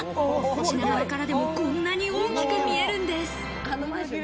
品川からでもこんなに大きく見えるんです。